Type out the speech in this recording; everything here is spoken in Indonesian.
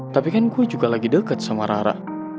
tapi kan gue juga lagi deket sama rara